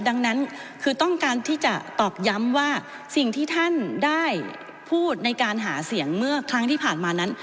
ดังนั้นคือต้องการที่จะตอกย้ำว่าสิ่งที่ท่านได้พูดในการหาเสียงเมื่อครั้งที่ผ่านมานั้น